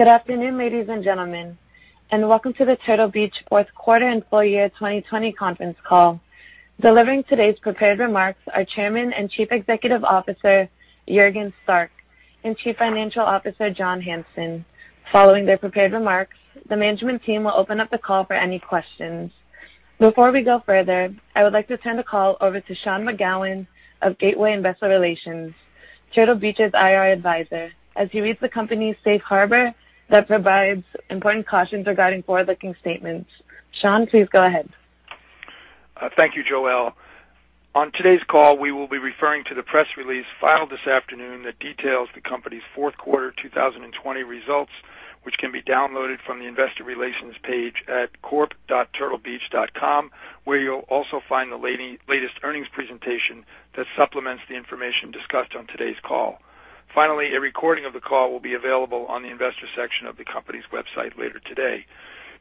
Good afternoon, ladies and gentlemen, and welcome to the Turtle Beach Fourth Quarter and Full Year 2020 Conference Call. Delivering today's prepared remarks are Chairman and Chief Executive Officer Juergen Stark and Chief Financial Officer John Hanson. Following their prepared remarks, the management team will open up the call for any questions. Before we go further, I would like to turn the call over to Sean McGowan of Gateway Investor Relations, Turtle Beach's IR Advisor, as he reads the company's safe harbor that provides important cautions regarding forward-looking statements. Sean, please go ahead. Thank you, Joelle. On today's call, we will be referring to the press release filed this afternoon that details the company's fourth quarter 2020 results, which can be downloaded from the Investor Relations page at corp.turtlebeach.com, where you'll also find the latest earnings presentation that supplements the information discussed on today's call. Finally, a recording of the call will be available on the investor section of the company's website later today.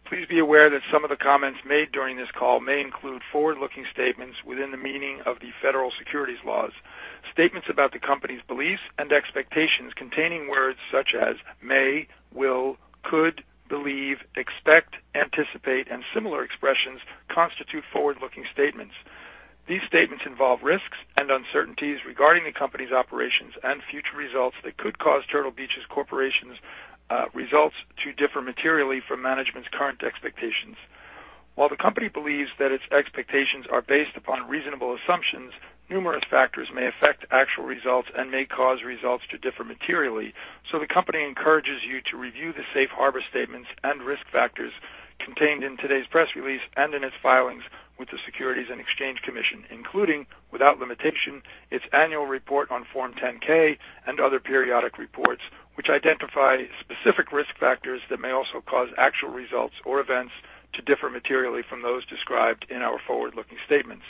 Please be aware that some of the comments made during this call may include forward-looking statements within the meaning of the federal securities laws. Statements about the company's beliefs and expectations containing words such as may, will, could, believe, expect, anticipate, and similar expressions constitute forward-looking statements. These statements involve risks and uncertainties regarding the company's operations and future results that could cause Turtle Beach Corporation's results to differ materially from management's current expectations. While the company believes that its expectations are based upon reasonable assumptions, numerous factors may affect actual results and may cause results to differ materially, so the company encourages you to review the safe harbor statements and risk factors contained in today's press release and in its filings with the Securities and Exchange Commission, including, without limitation, its annual report on Form 10-K and other periodic reports which identify specific risk factors that may also cause actual results or events to differ materially from those described in our forward-looking statements.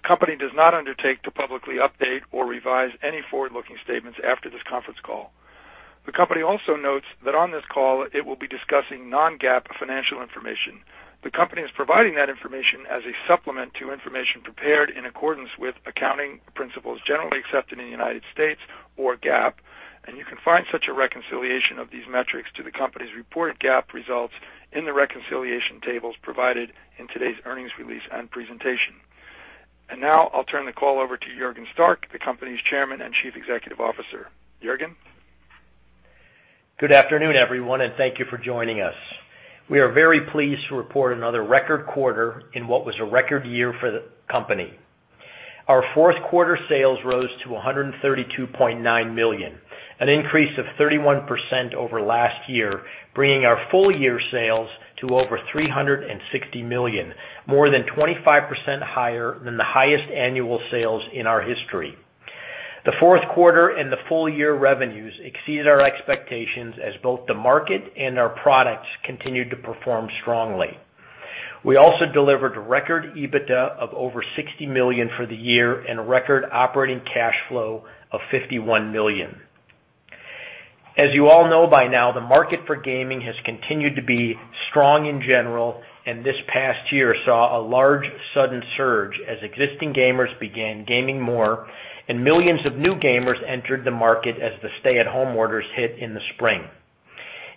The company does not undertake to publicly update or revise any forward-looking statements after this conference call. The company also notes that on this call, it will be discussing non-GAAP financial information. The company is providing that information as a supplement to information prepared in accordance with accounting principles generally accepted in the United States, or GAAP, and you can find such a reconciliation of these metrics to the company's reported GAAP results in the reconciliation tables provided in today's earnings release and presentation. And now, I'll turn the call over to Juergen Stark, the company's Chairman and Chief Executive Officer. Juergen? Good afternoon, everyone, and thank you for joining us. We are very pleased to report another record quarter in what was a record year for the company. Our fourth quarter sales rose to $132.9 million, an increase of 31% over last year, bringing our full year sales to over $360 million, more than 25% higher than the highest annual sales in our history. The fourth quarter and the full year revenues exceeded our expectations as both the market and our products continued to perform strongly. We also delivered a record EBITDA of over $60 million for the year and a record operating cash flow of $51 million. As you all know by now, the market for gaming has continued to be strong in general, and this past year saw a large sudden surge as existing gamers began gaming more, and millions of new gamers entered the market as the stay-at-home orders hit in the spring.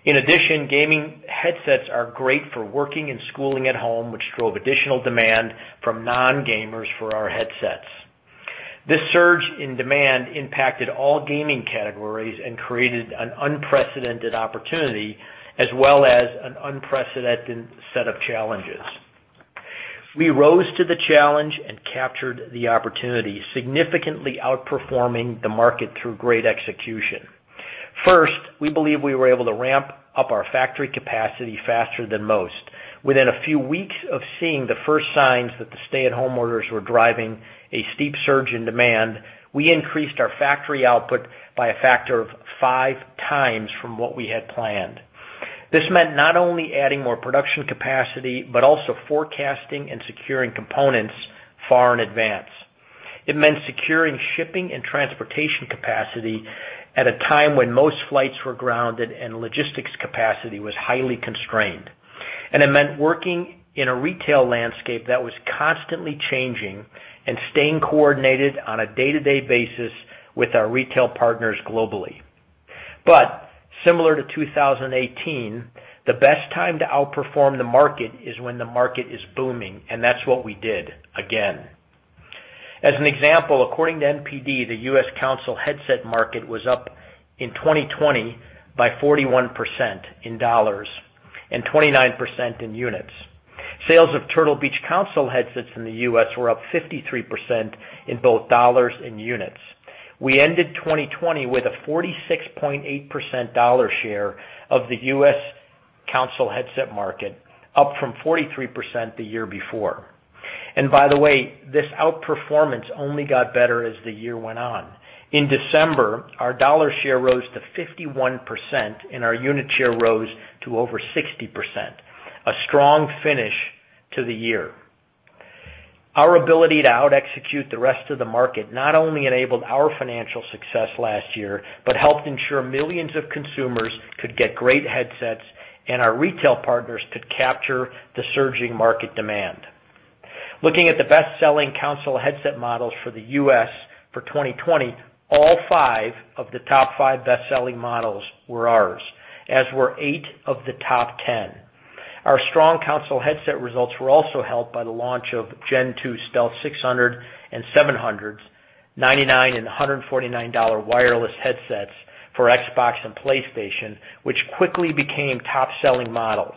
In addition, gaming headsets are great for working and schooling at home, which drove additional demand from non-gamers for our headsets. This surge in demand impacted all gaming categories and created an unprecedented opportunity, as well as an unprecedented set of challenges. We rose to the challenge and captured the opportunity, significantly outperforming the market through great execution. First, we believe we were able to ramp up our factory capacity faster than most. Within a few weeks of seeing the first signs that the stay-at-home orders were driving a steep surge in demand, we increased our factory output by a factor of five times from what we had planned. This meant not only adding more production capacity but also forecasting and securing components far in advance. It meant securing shipping and transportation capacity at a time when most flights were grounded and logistics capacity was highly constrained, and it meant working in a retail landscape that was constantly changing and staying coordinated on a day-to-day basis with our retail partners globally, but similar to 2018, the best time to outperform the market is when the market is booming, and that's what we did, again. As an example, according to NPD, the U.S. console headset market was up in 2020 by 41% in dollars and 29% in units. Sales of Turtle Beach console headsets in the U.S. were up 53% in both dollars and units. We ended 2020 with a 46.8% dollar share of the U.S. console headset market, up from 43% the year before. And by the way, this outperformance only got better as the year went on. In December, our dollar share rose to 51%, and our unit share rose to over 60%, a strong finish to the year. Our ability to out-execute the rest of the market not only enabled our financial success last year but helped ensure millions of consumers could get great headsets and our retail partners could capture the surging market demand. Looking at the best-selling console headset models for the U.S. for 2020, all five of the top five best-selling models were ours, as were eight of the top ten. Our strong console headset results were also helped by the launch of Gen 2 Stealth 600 and 700s, $99 and $149 wireless headsets for Xbox and PlayStation, which quickly became top-selling models.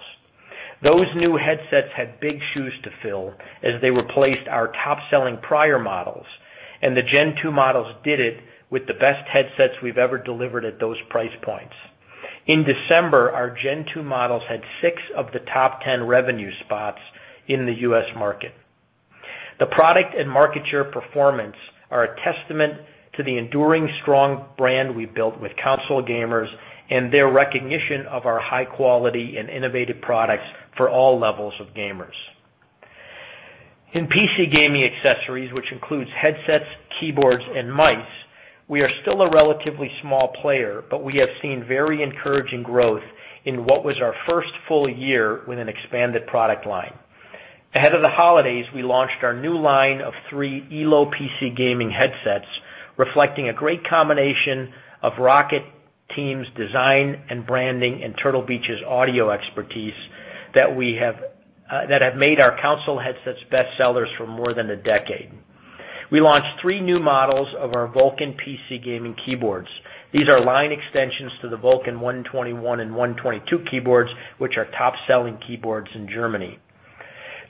Those new headsets had big shoes to fill as they replaced our top-selling prior models, and the Gen 2 models did it with the best headsets we've ever delivered at those price points. In December, our Gen 2 models had six of the top 10 revenue spots in the U.S. market. The product and market share performance are a testament to the enduring, strong brand we built with console gamers and their recognition of our high-quality and innovative products for all levels of gamers. In PC gaming accessories, which includes headsets, keyboards, and mice, we are still a relatively small player, but we have seen very encouraging growth in what was our first full year with an expanded product line. Ahead of the holidays, we launched our new line of three Elo PC gaming headsets, reflecting a great combination of ROCCAT's design and branding and Turtle Beach's audio expertise that have made our console headsets best-sellers for more than a decade. We launched three new models of our Vulcan PC gaming keyboards. These are line extensions to the Vulcan 121 and 122 keyboards, which are top-selling keyboards in Germany.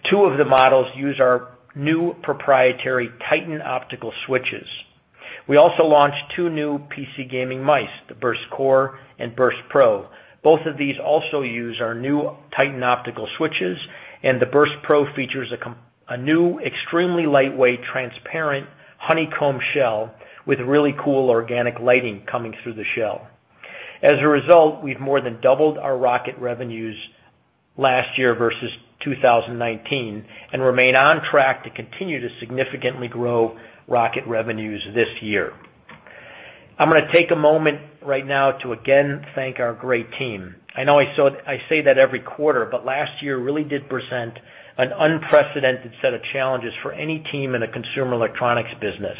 Two of the models use our new proprietary Titan Optical Switches. We also launched two new PC gaming mice, the Burst Core and Burst Pro. Both of these also use our new Titan Optical Switches, and the Burst Pro features a new, extremely lightweight, transparent honeycomb shell with really cool organic lighting coming through the shell. As a result, we've more than doubled our ROCCAT revenues last year versus 2019 and remain on track to continue to significantly grow ROCCAT revenues this year. I'm going to take a moment right now to again thank our great team. I know I say that every quarter, but last year really did present an unprecedented set of challenges for any team in a consumer electronics business.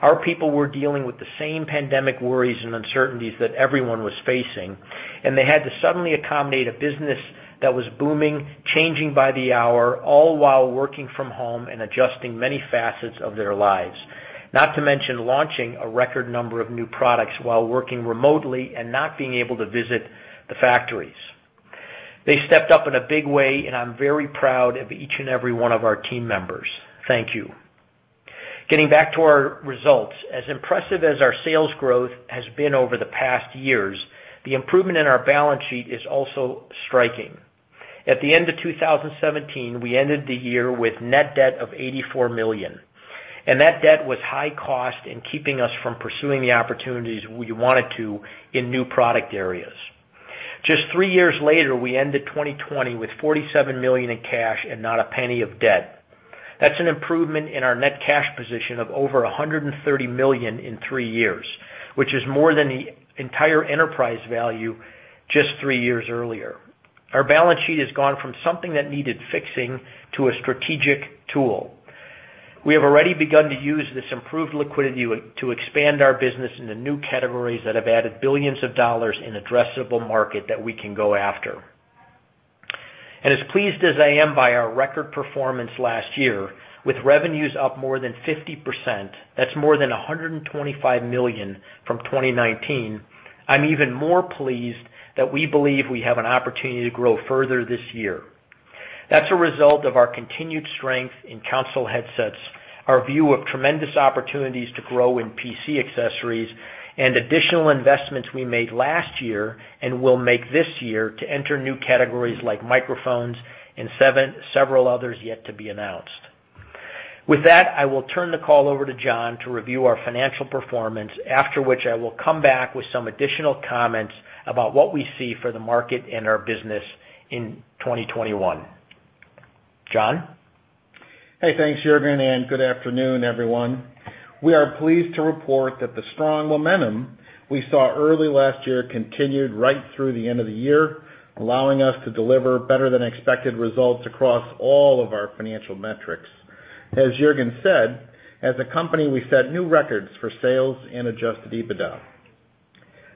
Our people were dealing with the same pandemic worries and uncertainties that everyone was facing, and they had to suddenly accommodate a business that was booming, changing by the hour, all while working from home and adjusting many facets of their lives, not to mention launching a record number of new products while working remotely and not being able to visit the factories. They stepped up in a big way, and I'm very proud of each and every one of our team members. Thank you. Getting back to our results, as impressive as our sales growth has been over the past years, the improvement in our balance sheet is also striking. At the end of 2017, we ended the year with net debt of $84 million, and that debt was high-cost in keeping us from pursuing the opportunities we wanted to in new product areas. Just three years later, we ended 2020 with $47 million in cash and not a penny of debt. That's an improvement in our net cash position of over $130 million in three years, which is more than the entire enterprise value just three years earlier. Our balance sheet has gone from something that needed fixing to a strategic tool. We have already begun to use this improved liquidity to expand our business into new categories that have added billions of dollars in addressable market that we can go after. And as pleased as I am by our record performance last year, with revenues up more than 50%, that's more than $125 million from 2019, I'm even more pleased that we believe we have an opportunity to grow further this year. That's a result of our continued strength in console headsets, our view of tremendous opportunities to grow in PC accessories, and additional investments we made last year and will make this year to enter new categories like microphones and several others yet to be announced. With that, I will turn the call over to John to review our financial performance, after which I will come back with some additional comments about what we see for the market and our business in 2021. John? Hey, thanks, Juergen, and good afternoon, everyone. We are pleased to report that the strong momentum we saw early last year continued right through the end of the year, allowing us to deliver better-than-expected results across all of our financial metrics. As Juergen said, as a company, we set new records for sales and adjusted EBITDA.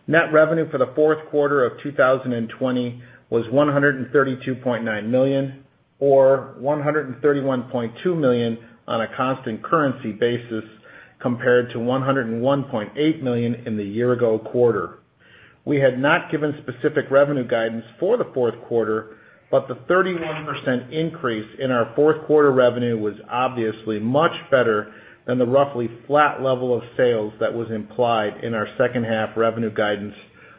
Net revenue for the fourth quarter of 2020 was $132.9 million, or $131.2 million on a constant currency basis, compared to $101.8 million in the year-ago quarter. We had not given specific revenue guidance for the fourth quarter, but the 31% increase in our fourth quarter revenue was obviously much better than the roughly flat level of sales that was implied in our second-half revenue guidance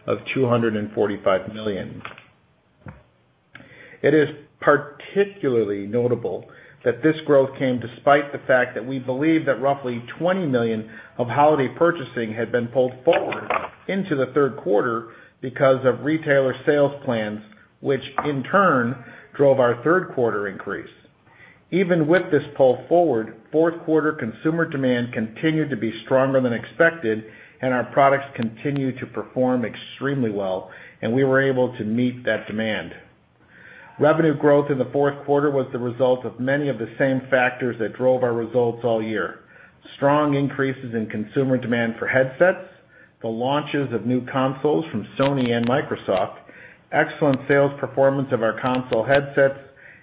of $245 million. It is particularly notable that this growth came despite the fact that we believe that roughly $20 million of holiday purchasing had been pulled forward into the third quarter because of retailer sales plans, which in turn drove our third quarter increase. Even with this pull forward, fourth quarter consumer demand continued to be stronger than expected, and our products continued to perform extremely well, and we were able to meet that demand. Revenue growth in the fourth quarter was the result of many of the same factors that drove our results all year: strong increases in consumer demand for headsets, the launches of new consoles from Sony and Microsoft, excellent sales performance of our console headsets,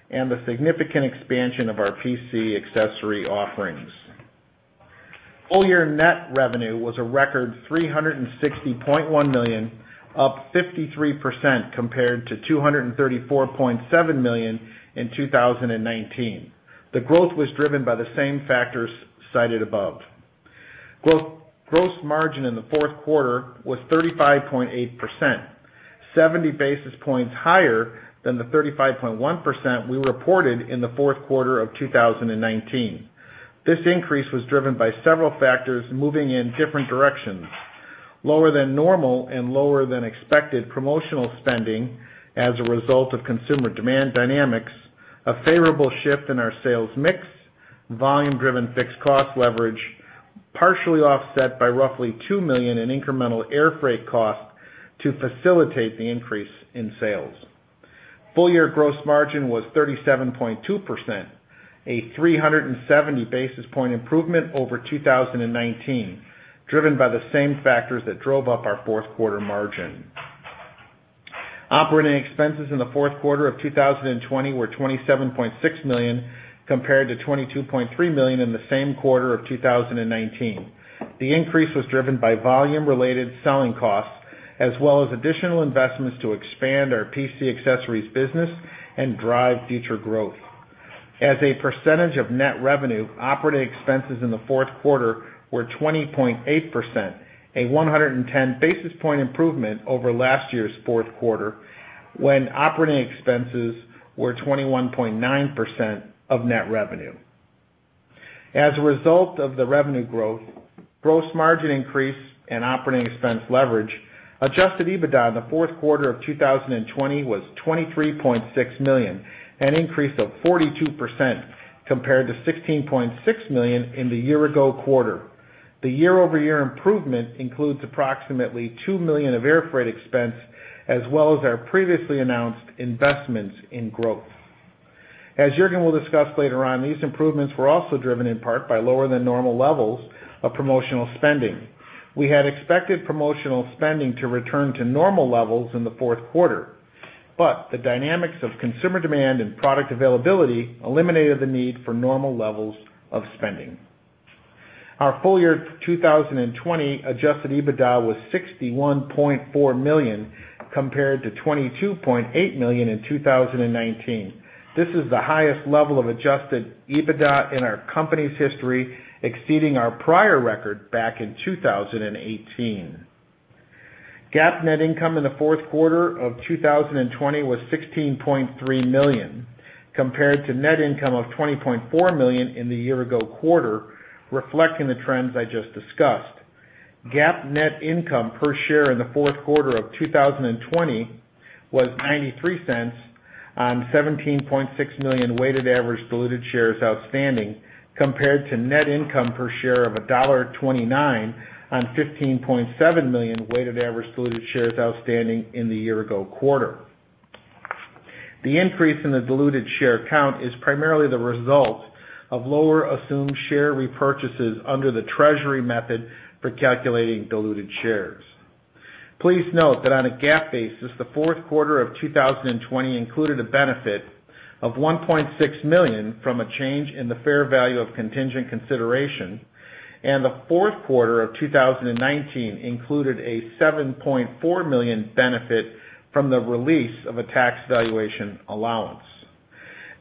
and the significant expansion of our PC accessory offerings. Full year net revenue was a record $360.1 million, up 53% compared to $234.7 million in 2019. The growth was driven by the same factors cited above. Gross margin in the fourth quarter was 35.8%, 70 basis points higher than the 35.1% we reported in the fourth quarter of 2019. This increase was driven by several factors moving in different directions: lower-than-normal and lower-than-expected promotional spending as a result of consumer demand dynamics, a favorable shift in our sales mix, volume-driven fixed cost leverage, partially offset by roughly $2 million in incremental air freight cost to facilitate the increase in sales. Full year gross margin was 37.2%, a 370 basis point improvement over 2019, driven by the same factors that drove up our fourth quarter margin. Operating expenses in the fourth quarter of 2020 were $27.6 million compared to $22.3 million in the same quarter of 2019. The increase was driven by volume-related selling costs as well as additional investments to expand our PC accessories business and drive future growth. As a percentage of net revenue, operating expenses in the fourth quarter were 20.8%, a 110 basis point improvement over last year's fourth quarter, when operating expenses were 21.9% of net revenue. As a result of the revenue growth, gross margin increase, and operating expense leverage, Adjusted EBITDA in the fourth quarter of 2020 was $23.6 million, an increase of 42% compared to $16.6 million in the year-ago quarter. The year-over-year improvement includes approximately $2 million of air freight expense as well as our previously announced investments in growth. As Juergen will discuss later on, these improvements were also driven in part by lower-than-normal levels of promotional spending. We had expected promotional spending to return to normal levels in the fourth quarter, but the dynamics of consumer demand and product availability eliminated the need for normal levels of spending. Our full year 2020 adjusted EBITDA was $61.4 million compared to $22.8 million in 2019. This is the highest level of adjusted EBITDA in our company's history, exceeding our prior record back in 2018. GAAP net income in the fourth quarter of 2020 was $16.3 million compared to net income of $20.4 million in the year-ago quarter, reflecting the trends I just discussed. GAAP net income per share in the fourth quarter of 2020 was $0.93 on 17.6 million weighted average diluted shares outstanding compared to net income per share of $1.29 on 15.7 million weighted average diluted shares outstanding in the year-ago quarter. The increase in the diluted share count is primarily the result of lower-assumed share repurchases under the treasury method for calculating diluted shares. Please note that on a GAAP basis, the fourth quarter of 2020 included a benefit of $1.6 million from a change in the fair value of contingent consideration, and the fourth quarter of 2019 included a $7.4 million benefit from the release of a tax valuation allowance.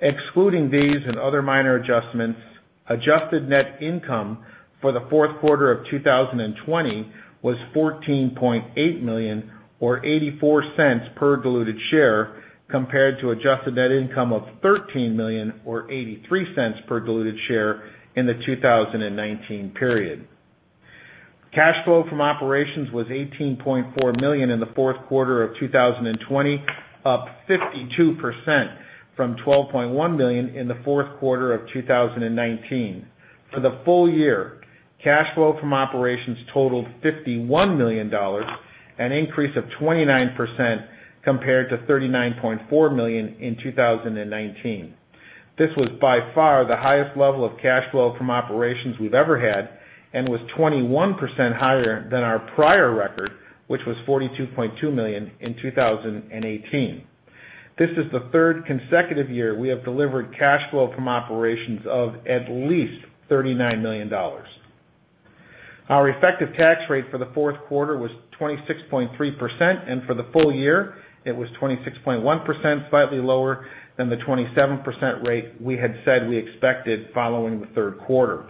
Excluding these and other minor adjustments, adjusted net income for the fourth quarter of 2020 was $14.8 million, or $0.84 per diluted share, compared to adjusted net income of $13 million, or $0.83 per diluted share in the 2019 period. Cash flow from operations was $18.4 million in the fourth quarter of 2020, up 52% from $12.1 million in the fourth quarter of 2019. For the full year, cash flow from operations totaled $51 million, an increase of 29% compared to $39.4 million in 2019. This was by far the highest level of cash flow from operations we've ever had and was 21% higher than our prior record, which was $42.2 million in 2018. This is the third consecutive year we have delivered cash flow from operations of at least $39 million. Our effective tax rate for the fourth quarter was 26.3%, and for the full year, it was 26.1%, slightly lower than the 27% rate we had said we expected following the third quarter.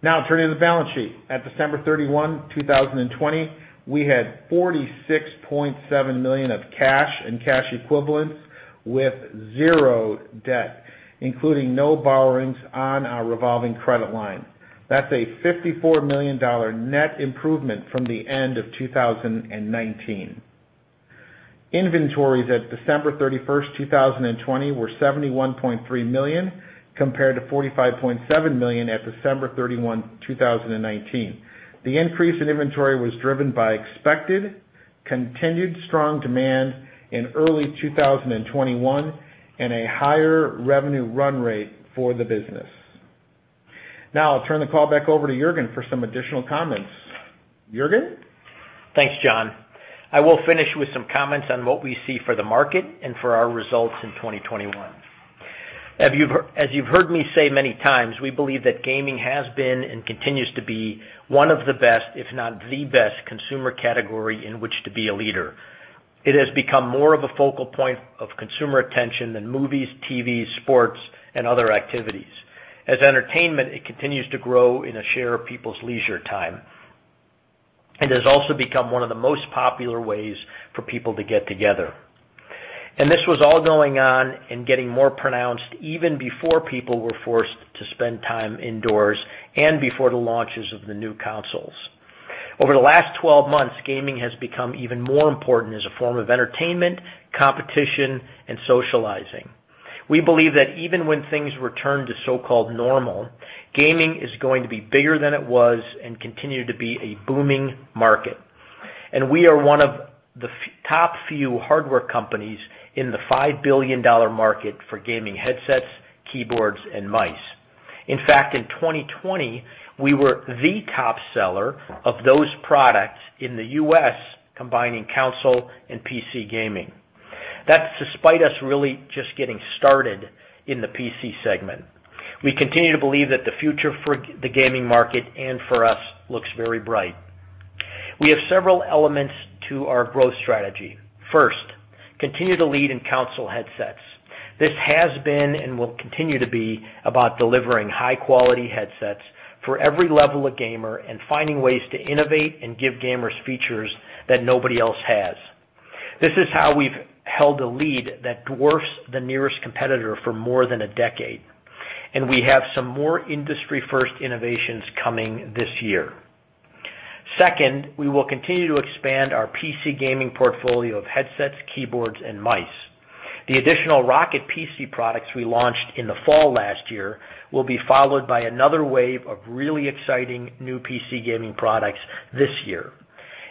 Now, turning to the balance sheet, at December 31, 2020, we had $46.7 million of cash and cash equivalents with zero debt, including no borrowings on our revolving credit line. That's a $54 million net improvement from the end of 2019. Inventories at December 31, 2020, were $71.3 million compared to $45.7 million at December 31, 2019. The increase in inventory was driven by expected continued strong demand in early 2021 and a higher revenue run rate for the business. Now, I'll turn the call back over to Juergen for some additional comments. Juergen? Thanks, John. I will finish with some comments on what we see for the market and for our results in 2021. As you've heard me say many times, we believe that gaming has been and continues to be one of the best, if not the best, consumer category in which to be a leader. It has become more of a focal point of consumer attention than movies, TV, sports, and other activities. As entertainment, it continues to grow in a share of people's leisure time. It has also become one of the most popular ways for people to get together. And this was all going on and getting more pronounced even before people were forced to spend time indoors and before the launches of the new consoles. Over the last 12 months, gaming has become even more important as a form of entertainment, competition, and socializing. We believe that even when things return to so-called normal, gaming is going to be bigger than it was and continue to be a booming market. And we are one of the top few hardware companies in the $5 billion market for gaming headsets, keyboards, and mice. In fact, in 2020, we were the top seller of those products in the U.S., combining console and PC gaming. That's despite us really just getting started in the PC segment. We continue to believe that the future for the gaming market and for us looks very bright. We have several elements to our growth strategy. First, continue to lead in console headsets. This has been and will continue to be about delivering high-quality headsets for every level of gamer and finding ways to innovate and give gamers features that nobody else has. This is how we've held a lead that dwarfs the nearest competitor for more than a decade, and we have some more industry-first innovations coming this year. Second, we will continue to expand our PC gaming portfolio of headsets, keyboards, and mice. The additional ROCCAT PC products we launched in the fall last year will be followed by another wave of really exciting new PC gaming products this year.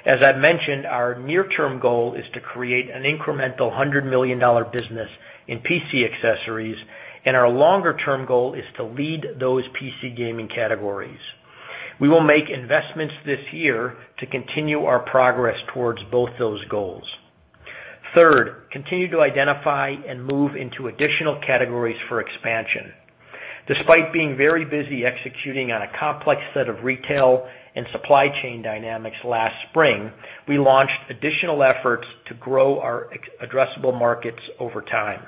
As I've mentioned, our near-term goal is to create an incremental $100 million business in PC accessories, and our longer-term goal is to lead those PC gaming categories. We will make investments this year to continue our progress towards both those goals. Third, continue to identify and move into additional categories for expansion. Despite being very busy executing on a complex set of retail and supply chain dynamics last spring, we launched additional efforts to grow our addressable markets over time.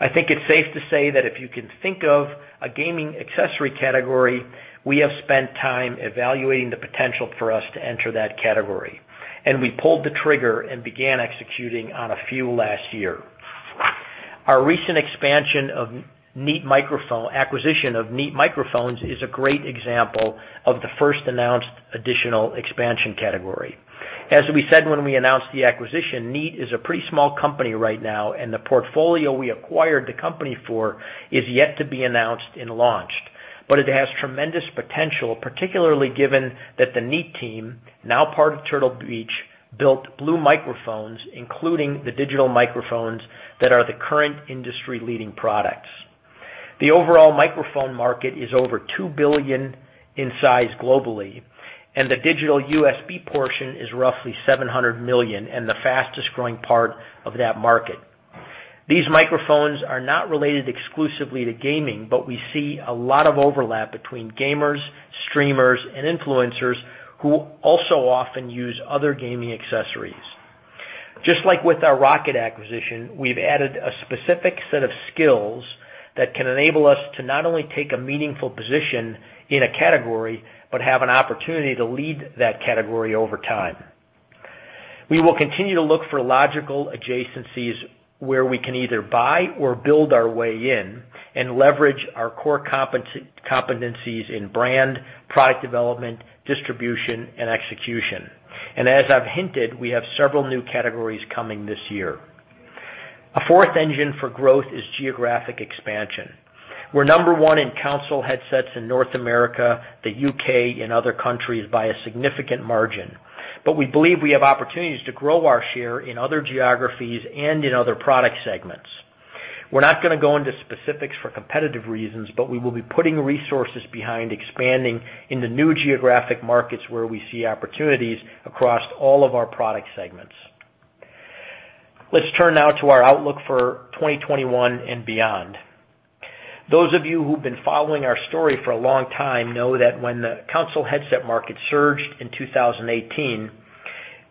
I think it's safe to say that if you can think of a gaming accessory category, we have spent time evaluating the potential for us to enter that category, and we pulled the trigger and began executing on a few last year. Our recent expansion of Neat Microphones acquisition of Neat Microphones is a great example of the first announced additional expansion category. As we said when we announced the acquisition, Neat is a pretty small company right now, and the portfolio we acquired the company for is yet to be announced and launched, but it has tremendous potential, particularly given that the Neat team, now part of Turtle Beach, built Blue Microphones, including the digital microphones that are the current industry-leading products. The overall microphone market is over $2 billion in size globally, and the digital USB portion is roughly $700 million and the fastest-growing part of that market. These microphones are not related exclusively to gaming, but we see a lot of overlap between gamers, streamers, and influencers who also often use other gaming accessories. Just like with our ROCCAT acquisition, we've added a specific set of skills that can enable us to not only take a meaningful position in a category but have an opportunity to lead that category over time. We will continue to look for logical adjacencies where we can either buy or build our way in and leverage our core competencies in brand, product development, distribution, and execution, and as I've hinted, we have several new categories coming this year. A fourth engine for growth is geographic expansion. We're number one in console headsets in North America, the UK, and other countries by a significant margin, but we believe we have opportunities to grow our share in other geographies and in other product segments. We're not going to go into specifics for competitive reasons, but we will be putting resources behind expanding into new geographic markets where we see opportunities across all of our product segments. Let's turn now to our outlook for 2021 and beyond. Those of you who've been following our story for a long time know that when the console headset market surged in 2018,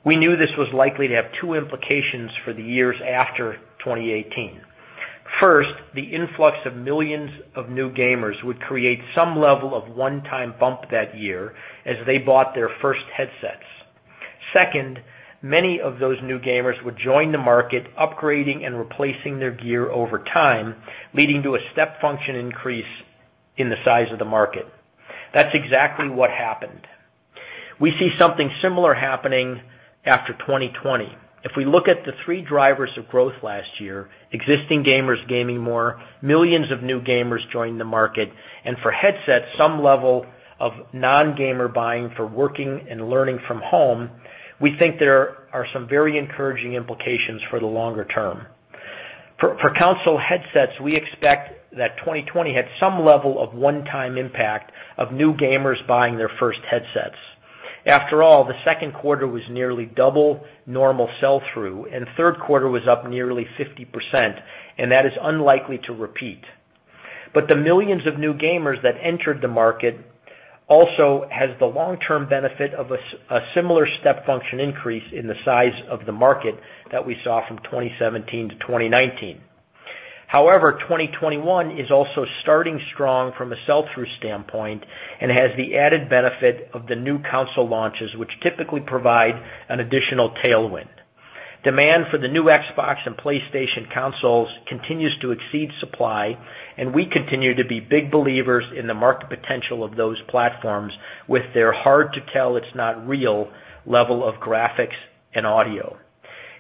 we knew this was likely to have two implications for the years after 2018. First, the influx of millions of new gamers would create some level of one-time bump that year as they bought their first headsets. Second, many of those new gamers would join the market, upgrading and replacing their gear over time, leading to a step function increase in the size of the market. That's exactly what happened. We see something similar happening after 2020. If we look at the three drivers of growth last year: existing gamers gaming more, millions of new gamers joining the market, and for headsets, some level of non-gamer buying for working and learning from home, we think there are some very encouraging implications for the longer term. For console headsets, we expect that 2020 had some level of one-time impact of new gamers buying their first headsets. After all, the second quarter was nearly double normal sell-through, and third quarter was up nearly 50%, and that is unlikely to repeat. But the millions of new gamers that entered the market also has the long-term benefit of a similar step function increase in the size of the market that we saw from 2017 to 2019. However, 2021 is also starting strong from a sell-through standpoint and has the added benefit of the new console launches, which typically provide an additional tailwind. Demand for the new Xbox and PlayStation consoles continues to exceed supply, and we continue to be big believers in the market potential of those platforms with their hard-to-tell-it's-not-real level of graphics and audio.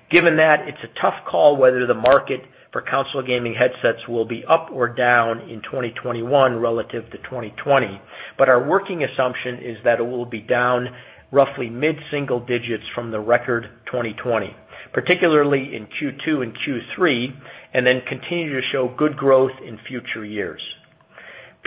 Given that, it's a tough call whether the market for console gaming headsets will be up or down in 2021 relative to 2020, but our working assumption is that it will be down roughly mid-single digits from the record 2020, particularly in Q2 and Q3, and then continue to show good growth in future years.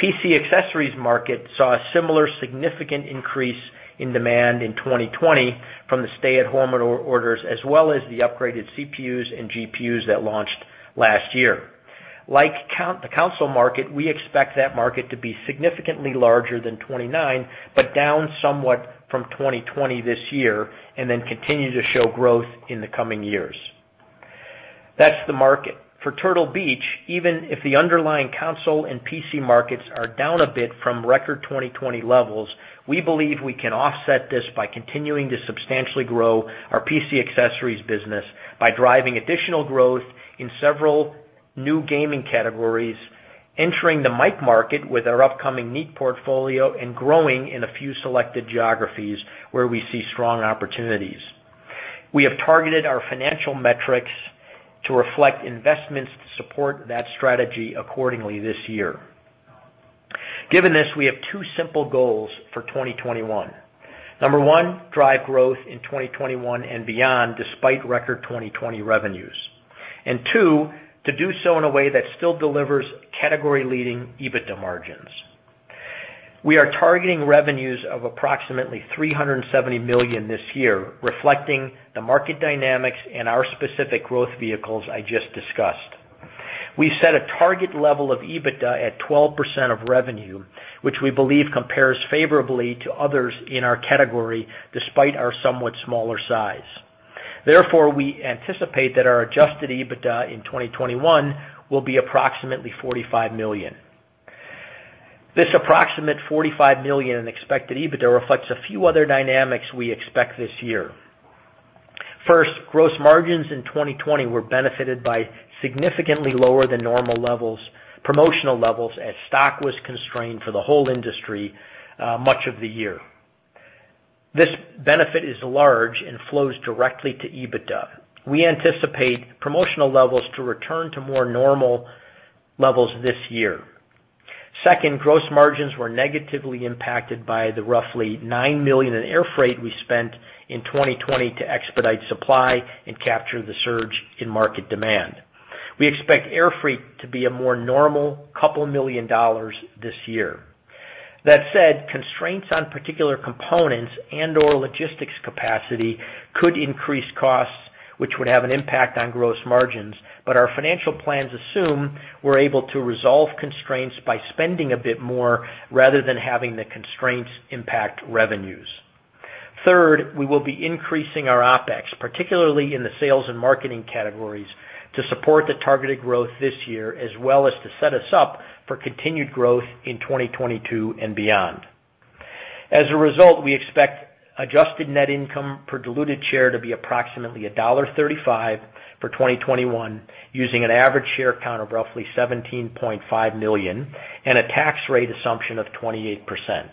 PC accessories market saw a similar significant increase in demand in 2020 from the stay-at-home orders as well as the upgraded CPUs and GPUs that launched last year. Like the console market, we expect that market to be significantly larger than 2019 but down somewhat from 2020 this year and then continue to show growth in the coming years. That's the market. For Turtle Beach, even if the underlying console and PC markets are down a bit from record 2020 levels, we believe we can offset this by continuing to substantially grow our PC accessories business by driving additional growth in several new gaming categories, entering the mic market with our upcoming Neat portfolio, and growing in a few selected geographies where we see strong opportunities. We have targeted our financial metrics to reflect investments to support that strategy accordingly this year. Given this, we have two simple goals for 2021. Number one, drive growth in 2021 and beyond despite record 2020 revenues. And two, to do so in a way that still delivers category-leading EBITDA margins. We are targeting revenues of approximately $370 million this year, reflecting the market dynamics and our specific growth vehicles I just discussed. We set a target level of EBITDA at 12% of revenue, which we believe compares favorably to others in our category despite our somewhat smaller size. Therefore, we anticipate that our adjusted EBITDA in 2021 will be approximately $45 million. This approximate $45 million in expected EBITDA reflects a few other dynamics we expect this year. First, gross margins in 2020 were benefited by significantly lower than normal promotional levels as stock was constrained for the whole industry much of the year. This benefit is large and flows directly to EBITDA. We anticipate promotional levels to return to more normal levels this year. Second, gross margins were negatively impacted by the roughly $9 million in air freight we spent in 2020 to expedite supply and capture the surge in market demand. We expect air freight to be a more normal $2 million this year. That said, constraints on particular components and/or logistics capacity could increase costs, which would have an impact on gross margins, but our financial plans assume we're able to resolve constraints by spending a bit more rather than having the constraints impact revenues. Third, we will be increasing our OpEx, particularly in the sales and marketing categories, to support the targeted growth this year as well as to set us up for continued growth in 2022 and beyond. As a result, we expect adjusted net income per diluted share to be approximately $1.35 for 2021, using an average share count of roughly 17.5 million and a tax rate assumption of 28%.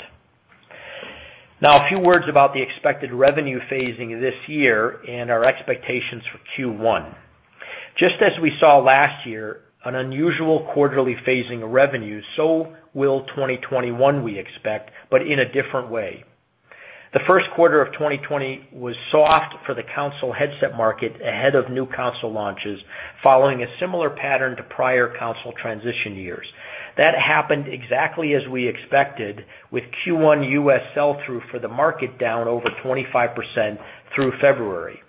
Now, a few words about the expected revenue phasing this year and our expectations for Q1. Just as we saw last year, an unusual quarterly phasing of revenue, so will 2021, we expect, but in a different way. The first quarter of 2020 was soft for the console headset market ahead of new console launches following a similar pattern to prior console transition years. That happened exactly as we expected, with Q1 U.S. sell-through for the market down over 25% through February.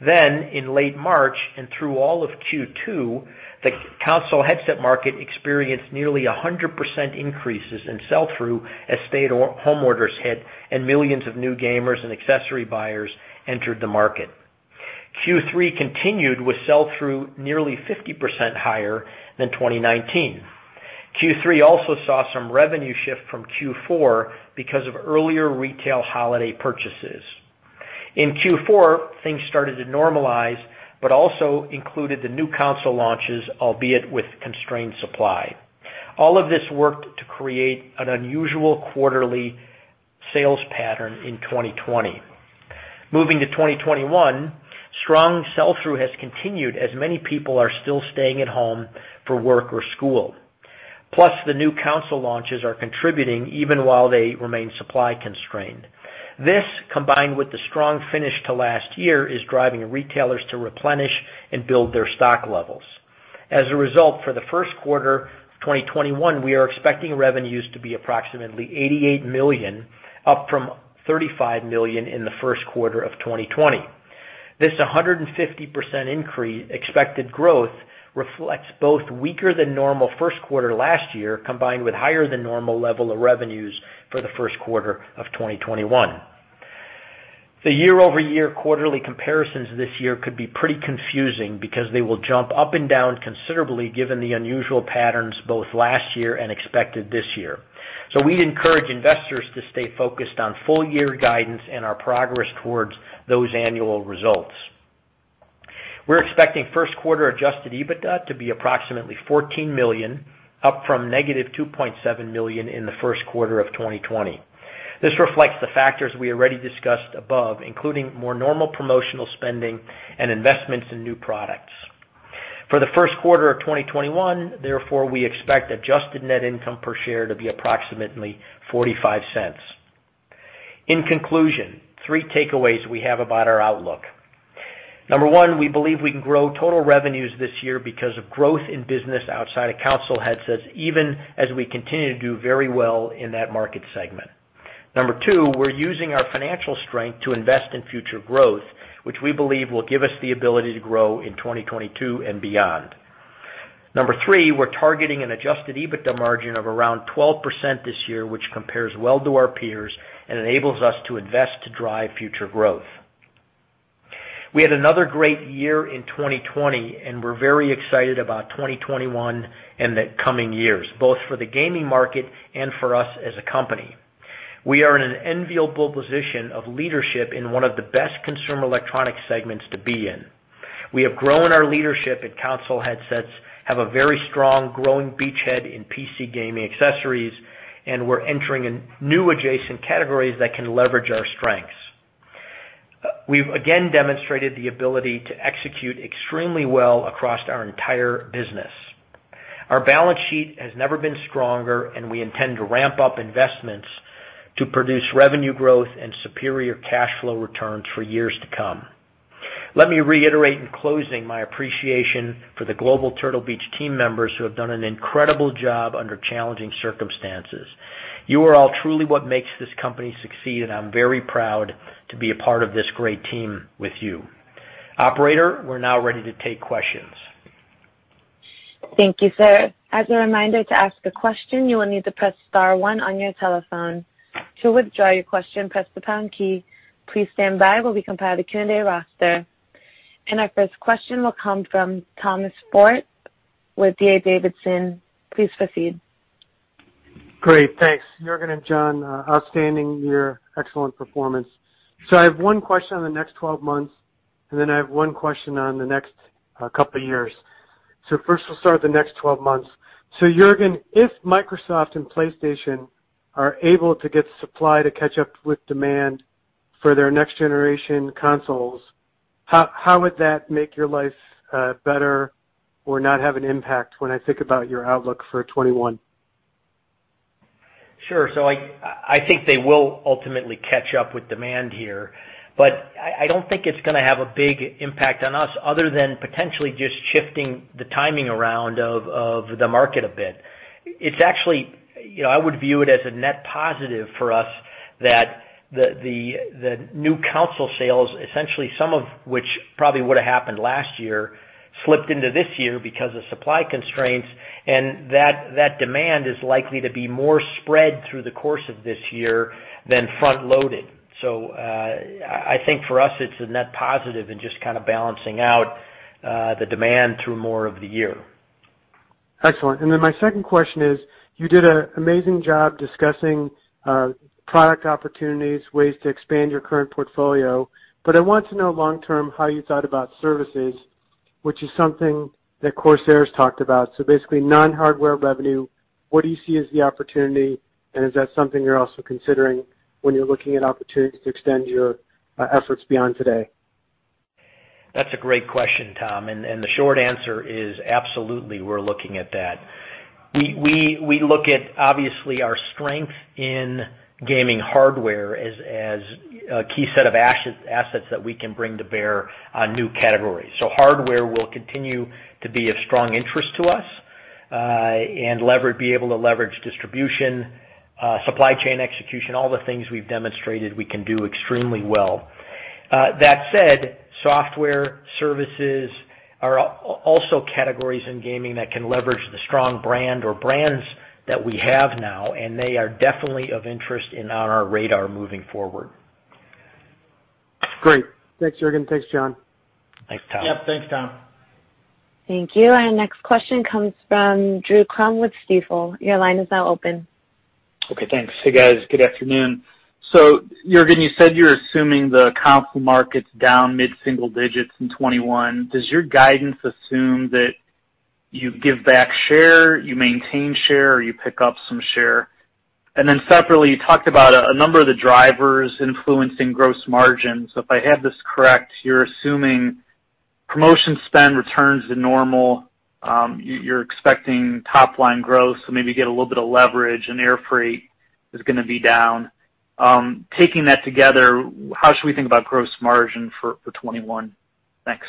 Then, in late March and through all of Q2, the console headset market experienced nearly 100% increases in sell-through as stay-at-home orders hit and millions of new gamers and accessory buyers entered the market. Q3 continued with sell-through nearly 50% higher than 2019. Q3 also saw some revenue shift from Q4 because of earlier retail holiday purchases. In Q4, things started to normalize but also included the new console launches, albeit with constrained supply. All of this worked to create an unusual quarterly sales pattern in 2020. Moving to 2021, strong sell-through has continued as many people are still staying at home for work or school. Plus, the new console launches are contributing even while they remain supply-constrained. This, combined with the strong finish to last year, is driving retailers to replenish and build their stock levels. As a result, for the first quarter of 2021, we are expecting revenues to be approximately $88 million, up from $35 million in the first quarter of 2020. This 150% increase in expected growth reflects both weaker-than-normal first quarter last year combined with higher-than-normal level of revenues for the first quarter of 2021. The year-over-year quarterly comparisons this year could be pretty confusing because they will jump up and down considerably given the unusual patterns both last year and expected this year. So we'd encourage investors to stay focused on full-year guidance and our progress towards those annual results. We're expecting first quarter adjusted EBITDA to be approximately $14 million, up from negative $2.7 million in the first quarter of 2020. This reflects the factors we already discussed above, including more normal promotional spending and investments in new products. For the first quarter of 2021, therefore, we expect adjusted net income per share to be approximately $0.45. In conclusion, three takeaways we have about our outlook. Number one, we believe we can grow total revenues this year because of growth in business outside of console headsets, even as we continue to do very well in that market segment. Number two, we're using our financial strength to invest in future growth, which we believe will give us the ability to grow in 2022 and beyond. Number three, we're targeting an Adjusted EBITDA margin of around 12% this year, which compares well to our peers and enables us to invest to drive future growth. We had another great year in 2020, and we're very excited about 2021 and the coming years, both for the gaming market and for us as a company. We are in an enviable position of leadership in one of the best consumer electronics segments to be in. We have grown our leadership in console headsets, have a very strong growing beachhead in PC gaming accessories, and we're entering new adjacent categories that can leverage our strengths. We've again demonstrated the ability to execute extremely well across our entire business. Our balance sheet has never been stronger, and we intend to ramp up investments to produce revenue growth and superior cash flow returns for years to come. Let me reiterate in closing my appreciation for the global Turtle Beach team members who have done an incredible job under challenging circumstances. You are all truly what makes this company succeed, and I'm very proud to be a part of this great team with you. Operator, we're now ready to take questions. Thank you, sir. As a reminder to ask a question, you will need to press star one on your telephone. To withdraw your question, press the pound key. Please stand by while we compile the Q&A roster, and our first question will come from Thomas Fort with D.A. Davidson. Please proceed. Great. Thanks. Juergen and John, outstanding your excellent performance. So I have one question on the next 12 months, and then I have one question on the next couple of years. So first, we'll start with the next 12 months. So Juergen, if Microsoft and PlayStation are able to get supply to catch up with demand for their next-generation consoles, how would that make your life better or not have an impact when I think about your outlook for 2021? Sure, so I think they will ultimately catch up with demand here, but I don't think it's going to have a big impact on us other than potentially just shifting the timing around of the market a bit. It's actually, I would view it as a net positive for us that the new console sales, essentially some of which probably would have happened last year, slipped into this year because of supply constraints, and that demand is likely to be more spread through the course of this year than front-loaded, so I think for us, it's a net positive in just kind of balancing out the demand through more of the year. Excellent, and then my second question is, you did an amazing job discussing product opportunities, ways to expand your current portfolio, but I want to know long-term how you thought about services, which is something that Corsair has talked about, so basically, non-hardware revenue, what do you see as the opportunity, and is that something you're also considering when you're looking at opportunities to extend your efforts beyond today? That's a great question, Tom, and the short answer is absolutely we're looking at that. We look at, obviously, our strength in gaming hardware as a key set of assets that we can bring to bear on new categories, so hardware will continue to be of strong interest to us and be able to leverage distribution, supply chain execution, all the things we've demonstrated we can do extremely well. That said, software services are also categories in gaming that can leverage the strong brand or brands that we have now, and they are definitely of interest and on our radar moving forward. Great. Thanks, Juergen. Thanks, John. Thanks, Tom. Yep. Thanks, Tom. Thank you. Our next question comes from Drew Crum with Stifel. Your line is now open. Okay. Thanks. Hey, guys. Good afternoon. So Juergen, you said you're assuming the console market's down mid-single digits in 2021. Does your guidance assume that you give back share, you maintain share, or you pick up some share? And then separately, you talked about a number of the drivers influencing gross margins. If I have this correct, you're assuming promotion spend returns to normal. You're expecting top-line growth, so maybe you get a little bit of leverage. And air freight is going to be down. Taking that together, how should we think about gross margin for 2021? Thanks.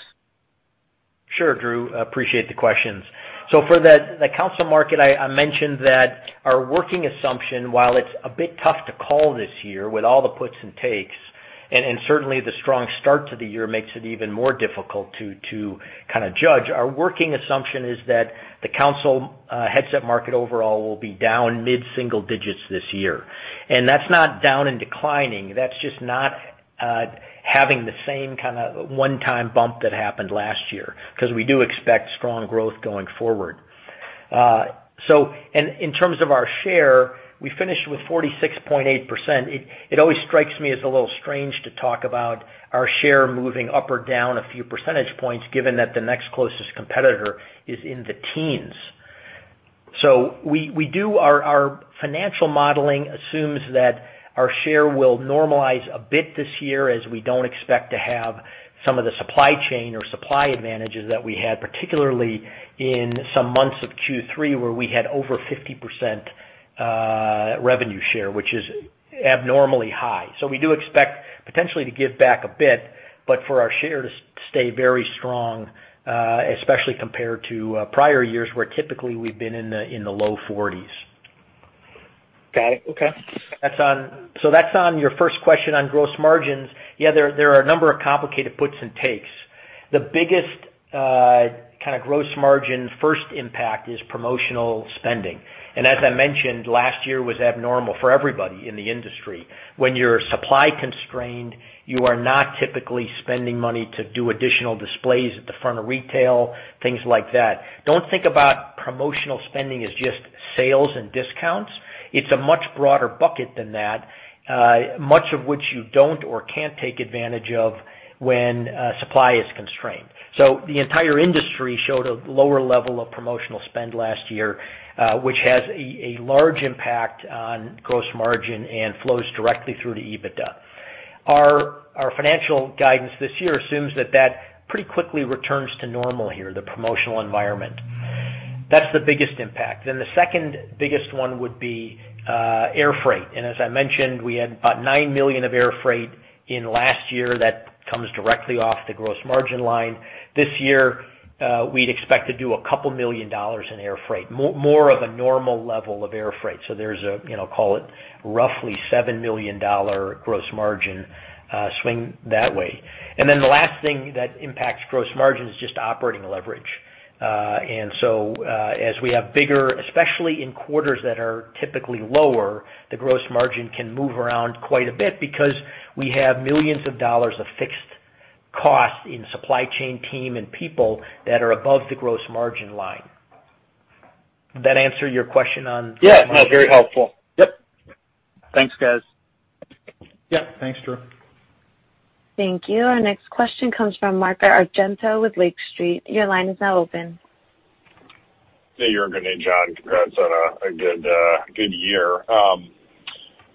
Sure, Drew. Appreciate the questions, so for the console market, I mentioned that our working assumption, while it's a bit tough to call this year with all the puts and takes, and certainly the strong start to the year makes it even more difficult to kind of judge, our working assumption is that the console headset market overall will be down mid-single digits this year, and that's not down and declining. That's just not having the same kind of one-time bump that happened last year because we do expect strong growth going forward, so in terms of our share, we finished with 46.8%. It always strikes me as a little strange to talk about our share moving up or down a few percentage points given that the next closest competitor is in the teens. So our financial modeling assumes that our share will normalize a bit this year as we don't expect to have some of the supply chain or supply advantages that we had, particularly in some months of Q3 where we had over 50% revenue share, which is abnormally high. So we do expect potentially to give back a bit, but for our share to stay very strong, especially compared to prior years where typically we've been in the low 40s. Got it. Okay. So that's on your first question on gross margins. Yeah, there are a number of complicated puts and takes. The biggest kind of gross margin first impact is promotional spending. And as I mentioned, last year was abnormal for everybody in the industry. When you're supply-constrained, you are not typically spending money to do additional displays at the front of retail, things like that. Don't think about promotional spending as just sales and discounts. It's a much broader bucket than that, much of which you don't or can't take advantage of when supply is constrained. So the entire industry showed a lower level of promotional spend last year, which has a large impact on gross margin and flows directly through to EBITDA. Our financial guidance this year assumes that that pretty quickly returns to normal here, the promotional environment. That's the biggest impact. Then the second biggest one would be air freight. And as I mentioned, we had about $9 million of air freight in last year. That comes directly off the gross margin line. This year, we'd expect to do a couple million dollars in air freight, more of a normal level of air freight. So there's a, call it roughly $7 million gross margin swing that way. And then the last thing that impacts gross margin is just operating leverage. And so as we have bigger, especially in quarters that are typically lower, the gross margin can move around quite a bit because we have millions of dollars of fixed cost in supply chain team and people that are above the gross margin line. Did that answer your question on? Yeah. No, very helpful. Yep. Thanks, guys. Yep. Thanks, Drew. Thank you. Our next question comes from Mark Argento with Lake Street. Your line is now open. Hey, Juergen and John. Congrats on a good year.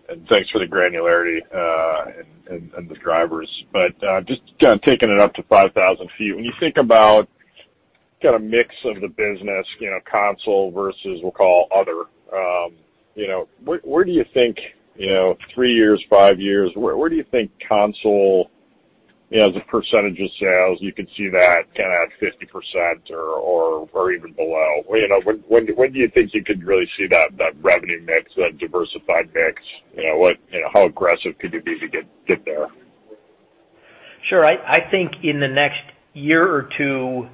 And thanks for the granularity and the drivers. But just kind of taking it up to 5,000 feet, when you think about kind of mix of the business, console versus we'll call other, where do you think three years, five years, where do you think console as a percentage of sales, you could see that kind of at 50% or even below? When do you think you could really see that revenue mix, that diversified mix? How aggressive could you be to get there? Sure. I think in the next year or two,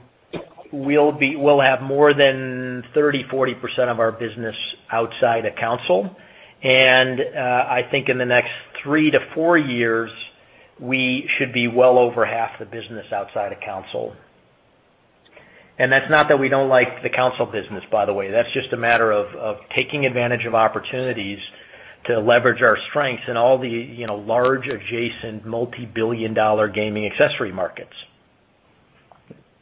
we'll have more than 30%-40% of our business outside of console. And I think in the next three to four years, we should be well over half the business outside of console. And that's not that we don't like the console business, by the way. That's just a matter of taking advantage of opportunities to leverage our strengths in all the large adjacent multi-billion dollar gaming accessory markets.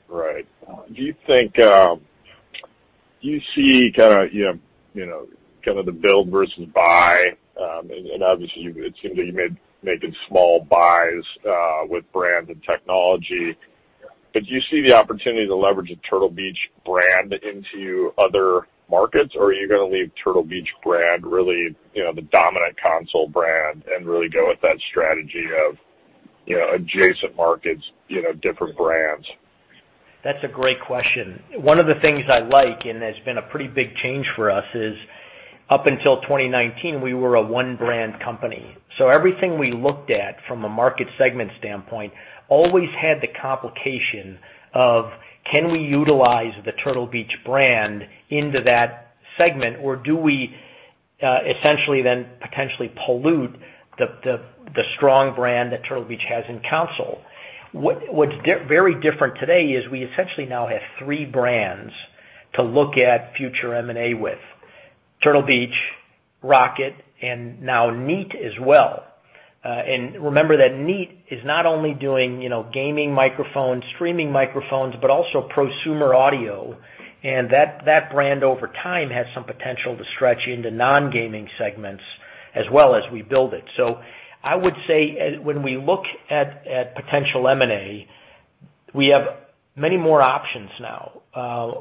Right. Do you think you see kind of the build versus buy? And obviously, it seems like you may make small buys with brand and technology. But do you see the opportunity to leverage the Turtle Beach brand into other markets, or are you going to leave Turtle Beach brand really the dominant console brand, and really go with that strategy of adjacent markets, different brands? That's a great question. One of the things I like, and it's been a pretty big change for us, is up until 2019, we were a one-brand company. So everything we looked at from a market segment standpoint always had the complication of, can we utilize the Turtle Beach brand into that segment, or do we essentially then potentially pollute the strong brand that Turtle Beach has in console? What's very different today is we essentially now have three brands to look at future M&A with: Turtle Beach, ROCCAT, and now Neat as well. And remember that Neat is not only doing gaming microphones, streaming microphones, but also prosumer audio. And that brand over time has some potential to stretch into non-gaming segments as well as we build it. So I would say when we look at potential M&A, we have many more options now.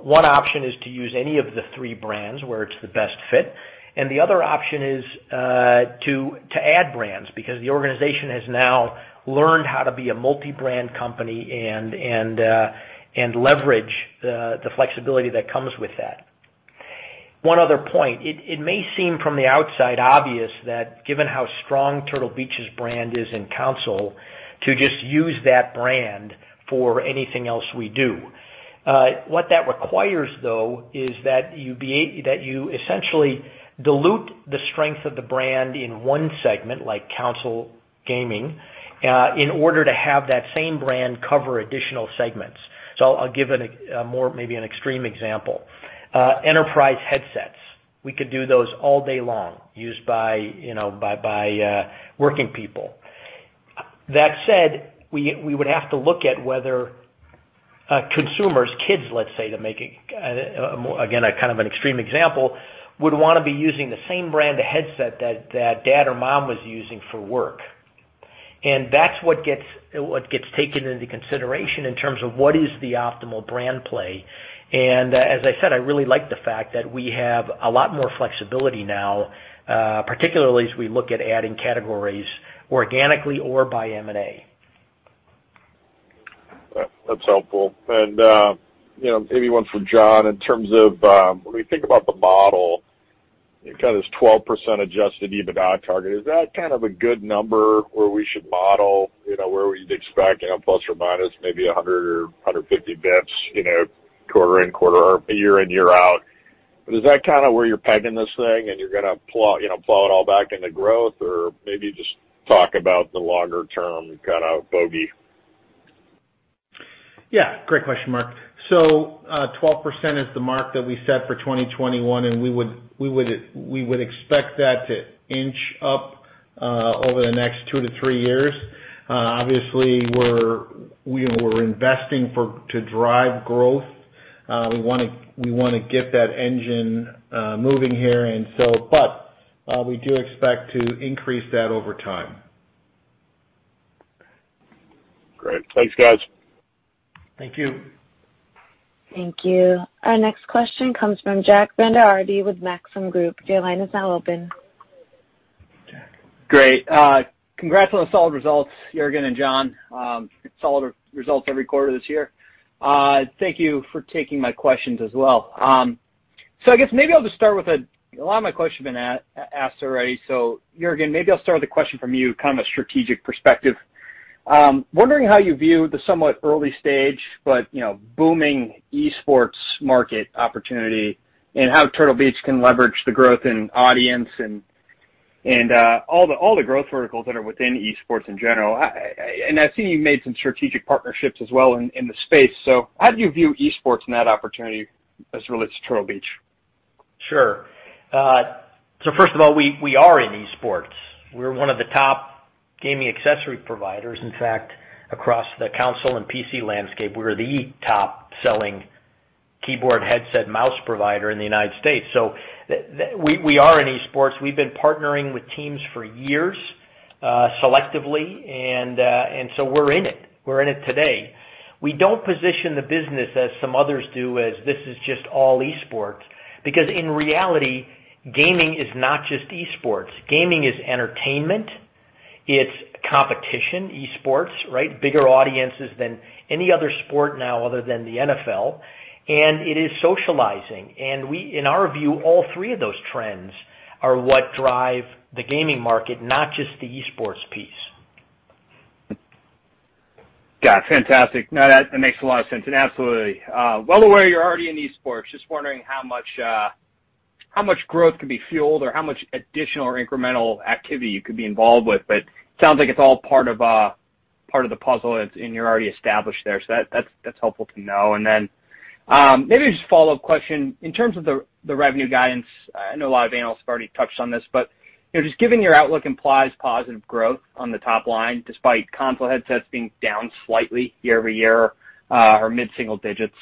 One option is to use any of the three brands where it's the best fit. And the other option is to add brands because the organization has now learned how to be a multi-brand company and leverage the flexibility that comes with that. One other point: it may seem from the outside obvious that given how strong Turtle Beach's brand is in console, to just use that brand for anything else we do. What that requires, though, is that you essentially dilute the strength of the brand in one segment, like console gaming, in order to have that same brand cover additional segments. So I'll give maybe an extreme example: enterprise headsets. We could do those all day long, used by working people. That said, we would have to look at whether consumers, kids, let's say, to make it again, a kind of an extreme example, would want to be using the same brand of headset that dad or mom was using for work, and that's what gets taken into consideration in terms of what is the optimal brand play, and as I said, I really like the fact that we have a lot more flexibility now, particularly as we look at adding categories organically or by M&A. That's helpful. And maybe one for John in terms of when we think about the model, kind of this 12% adjusted EBITDA target, is that kind of a good number where we should model where we'd expect plus or minus maybe 100 or 150 basis points quarter in, quarter out, year in, year out? But is that kind of where you're pegging this thing and you're going to plow it all back into growth, or maybe just talk about the longer-term kind of bogey? Yeah. Great question, Mark. So 12% is the mark that we set for 2021, and we would expect that to inch up over the next two to three years. Obviously, we're investing to drive growth. We want to get that engine moving here, but we do expect to increase that over time. Great. Thanks, guys. Thank you. Thank you. Our next question comes from Jack Vander Aarde with Maxim Group. Your line is now open. Great. Congrats on the solid results, Juergen and John. Solid results every quarter this year. Thank you for taking my questions as well. So I guess maybe I'll just start with a lot of my questions have been asked already. So Juergen, maybe I'll start with a question from you, kind of a strategic perspective. Wondering how you view the somewhat early-stage but booming esports market opportunity and how Turtle Beach can leverage the growth in audience and all the growth verticals that are within esports in general. And I see you made some strategic partnerships as well in the space. So how do you view esports and that opportunity as it relates to Turtle Beach? Sure. So first of all, we are in esports. We're one of the top gaming accessory providers. In fact, across the console and PC landscape, we're the top-selling keyboard, headset, mouse provider in the United States. So we are in esports. We've been partnering with teams for years selectively, and so we're in it. We're in it today. We don't position the business as some others do, as this is just all esports, because in reality, gaming is not just esports. Gaming is entertainment. It's competition, esports, right? Bigger audiences than any other sport now other than the NFL. And it is socializing. And in our view, all three of those trends are what drive the gaming market, not just the esports piece. Got it. Fantastic. No, that makes a lot of sense. And absolutely. Well aware, you're already in esports. Just wondering how much growth could be fueled or how much additional or incremental activity you could be involved with. But it sounds like it's all part of the puzzle, and you're already established there. So that's helpful to know. And then maybe just a follow-up question. In terms of the revenue guidance, I know a lot of analysts have already touched on this, but just given your outlook implies positive growth on the top line despite console headsets being down slightly year over year or mid-single digits.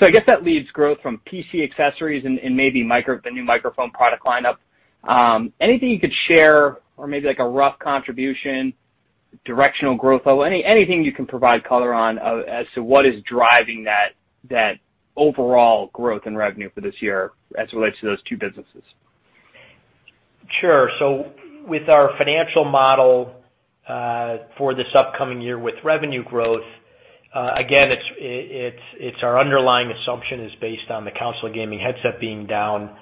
So I guess that leads growth from PC accessories and maybe the new microphone product lineup. Anything you could share or maybe a rough contribution, directional growth, anything you can provide color on as to what is driving that overall growth in revenue for this year as it relates to those two businesses? Sure, so with our financial model for this upcoming year with revenue growth, again, our underlying assumption is based on the console gaming headset being down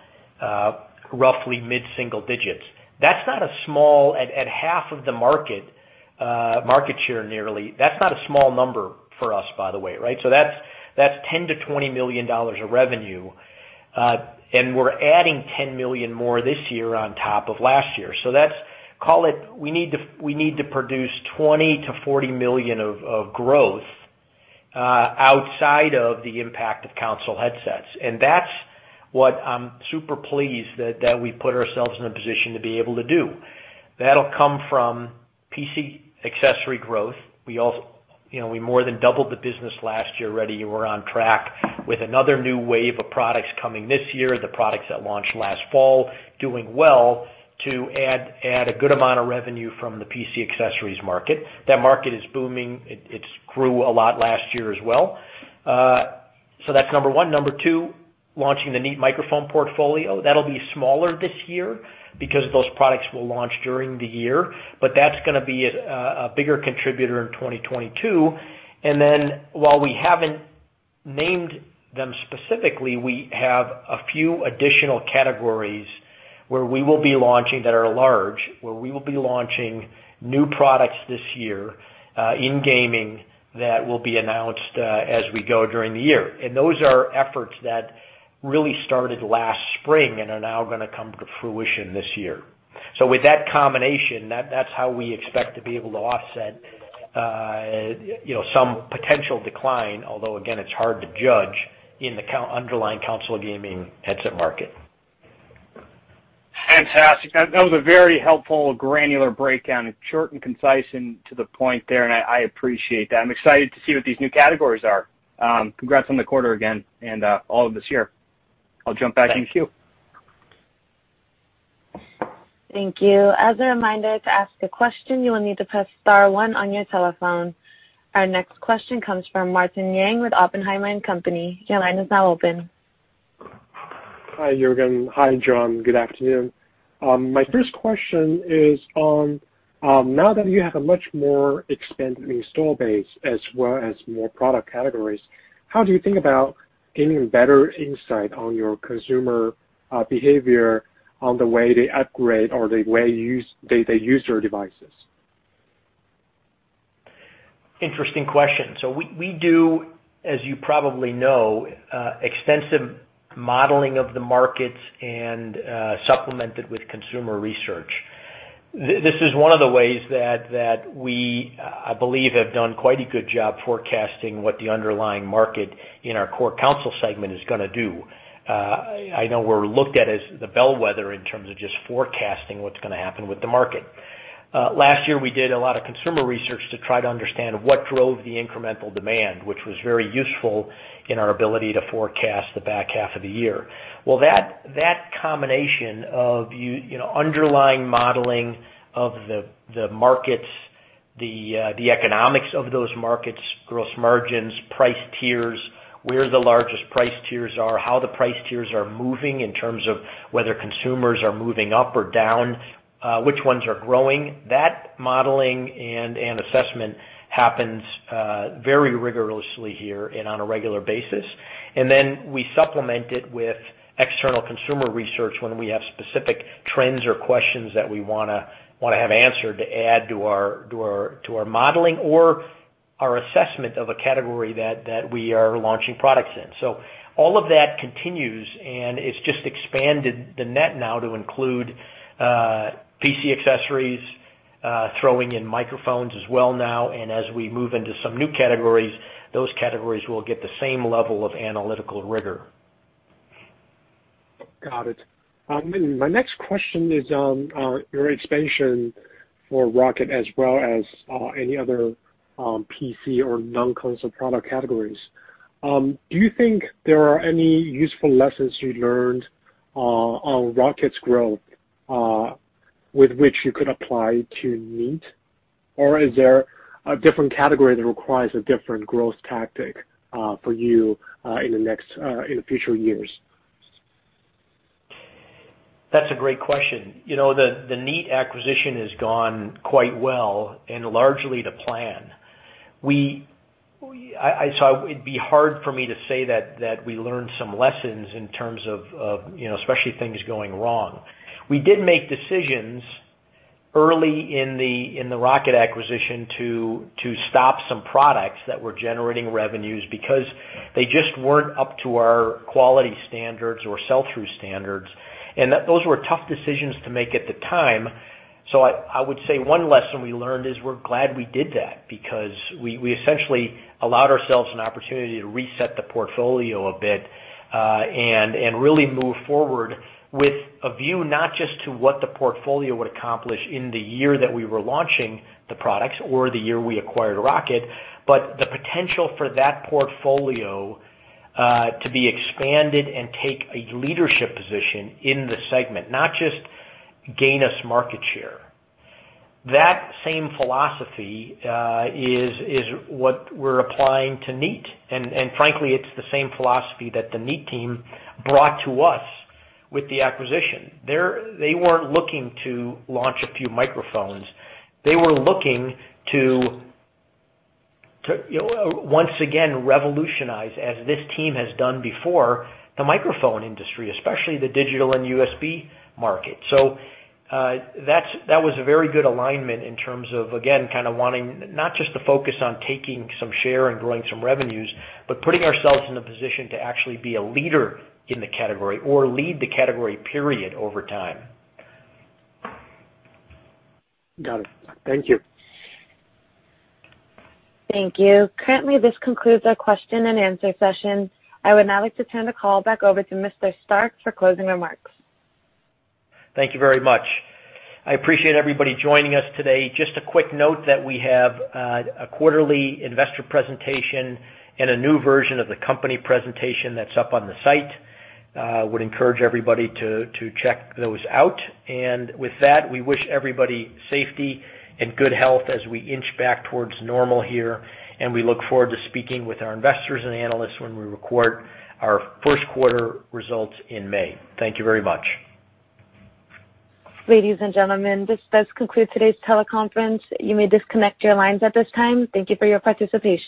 roughly mid-single digits. That's not small at half of the market share nearly. That's not a small number for us, by the way, right, so that's $10 million-$20 million of revenue. And we're adding $10 million more this year on top of last year, so call it, we need to produce $20 million-$40 million of growth outside of the impact of console headsets. And that's what I'm super pleased that we put ourselves in a position to be able to do. That'll come from PC accessory growth. We more than doubled the business last year already. We're on track with another new wave of products coming this year, the products that launched last fall, doing well to add a good amount of revenue from the PC accessories market. That market is booming. It grew a lot last year as well. So that's number one. Number two, launching the Neat microphone portfolio. That'll be smaller this year because those products will launch during the year. But that's going to be a bigger contributor in 2022. And then while we haven't named them specifically, we have a few additional categories where we will be launching that are large, where we will be launching new products this year in gaming that will be announced as we go during the year. And those are efforts that really started last spring and are now going to come to fruition this year. So with that combination, that's how we expect to be able to offset some potential decline, although again, it's hard to judge in the underlying console gaming headset market. Fantastic. That was a very helpful, granular breakdown. Short and concise and to the point there. And I appreciate that. I'm excited to see what these new categories are. Congrats on the quarter again and all of this year. I'll jump back into Q. Thank you. As a reminder, to ask a question, you will need to press star one on your telephone. Our next question comes from Martin Yang with Oppenheimer & Co. Your line is now open. Hi, Juergen. Hi, John. Good afternoon. My first question is, now that you have a much more expanded installed base as well as more product categories, how do you think about gaining better insight on your consumer behavior on the way they upgrade or the way they use their devices? Interesting question. So we do, as you probably know, extensive modeling of the markets and supplement it with consumer research. This is one of the ways that we, I believe, have done quite a good job forecasting what the underlying market in our core console segment is going to do. I know we're looked at as the bellwether in terms of just forecasting what's going to happen with the market. Last year, we did a lot of consumer research to try to understand what drove the incremental demand, which was very useful in our ability to forecast the back half of the year. Well, that combination of underlying modeling of the markets, the economics of those markets, gross margins, price tiers, where the largest price tiers are, how the price tiers are moving in terms of whether consumers are moving up or down, which ones are growing. That modeling and assessment happens very rigorously here and on a regular basis. And then we supplement it with external consumer research when we have specific trends or questions that we want to have answered to add to our modeling or our assessment of a category that we are launching products in. So all of that continues, and it's just expanded the net now to include PC accessories, throwing in microphones as well now. And as we move into some new categories, those categories will get the same level of analytical rigor. Got it. My next question is on your expansion for ROCCAT as well as any other PC or non-console product categories. Do you think there are any useful lessons you learned on ROCCAT's growth with which you could apply to Neat, or is there a different category that requires a different growth tactic for you in the future years? That's a great question. The Neat acquisition has gone quite well and largely to plan, so it'd be hard for me to say that we learned some lessons in terms of especially things going wrong. We did make decisions early in the ROCCAT acquisition to stop some products that were generating revenues because they just weren't up to our quality standards or sell-through standards, and those were tough decisions to make at the time. So I would say one lesson we learned is we're glad we did that because we essentially allowed ourselves an opportunity to reset the portfolio a bit and really move forward with a view not just to what the portfolio would accomplish in the year that we were launching the products or the year we acquired ROCCAT, but the potential for that portfolio to be expanded and take a leadership position in the segment, not just gain us market share. That same philosophy is what we're applying to Neat, and frankly, it's the same philosophy that the Neat team brought to us with the acquisition. They weren't looking to launch a few microphones. They were looking to, once again, revolutionize, as this team has done before, the microphone industry, especially the digital and USB market. So that was a very good alignment in terms of, again, kind of wanting not just to focus on taking some share and growing some revenues, but putting ourselves in a position to actually be a leader in the category or lead the category period over time. Got it. Thank you. Thank you. Currently, this concludes our question and answer session. I would now like to turn the call back over to Mr. Stark for closing remarks. Thank you very much. I appreciate everybody joining us today. Just a quick note that we have a quarterly investor presentation and a new version of the company presentation that's up on the site. I would encourage everybody to check those out. And with that, we wish everybody safety and good health as we inch back towards normal here. And we look forward to speaking with our investors and analysts when we record our first quarter results in May. Thank you very much. Ladies and gentlemen, this does conclude today's teleconference. You may disconnect your lines at this time. Thank you for your participation.